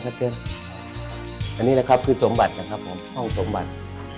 อันนี้แหละครับคือสมบัตินะครับของห้องสมบัติ